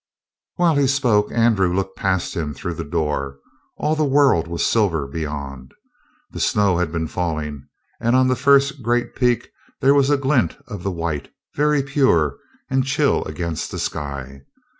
While he spoke, Andrew looked past him, through the door. All the world was silver beyond. The snow had been falling, and on the first great peak there was a glint of the white, very pure and chill against the sky.